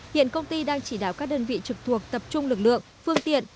hiện công ty đang chỉ đáo các đơn vị trực thuộc tập trung lực lượng phương tiện